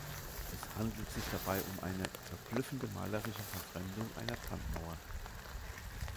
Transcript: Es handelt sich dabei um eine „verblüffende malerische Verfremdung einer Brandmauer.